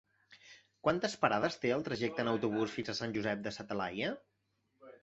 Quantes parades té el trajecte en autobús fins a Sant Josep de sa Talaia?